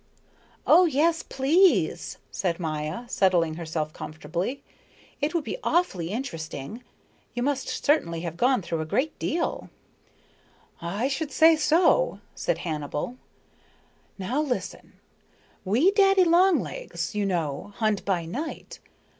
"Oh, do please," said Maya, settling herself comfortably. "It would be awfully interesting. You must certainly have gone through a good deal." "I should say so," said Hannibal. "Now listen. We daddy long legs, you know, hunt by night.